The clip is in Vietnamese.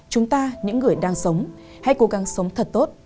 chúng ta những người đang sống hay cố gắng sống thật tốt